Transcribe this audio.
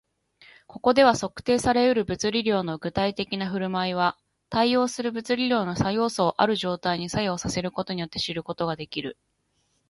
ここでは、測定され得る物理量の具体的な振る舞いは、対応する物理量の作用素をある状態に作用させることによって知ることができる